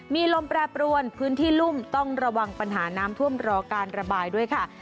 มีลมแปรปรวนพื้นที่รุ่มต้องระวังปัญหาน้ำท่วมรอการระบายด้วยค่ะ